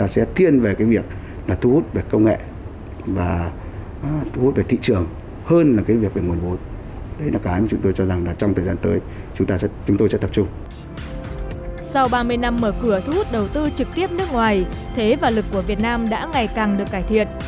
sau ba mươi năm mở cửa thu hút đầu tư trực tiếp nước ngoài thế và lực của việt nam đã ngày càng được cải thiện